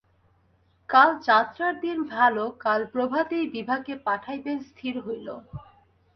কাল যাত্রার দিন ভালো, কাল প্রভাতেই বিভাকে পাঠাইবেন স্থির হইল।